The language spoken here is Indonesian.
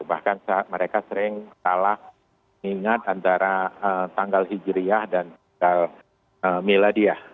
bahkan mereka sering salah ingat antara tanggal hijriah dan tanggal miladiah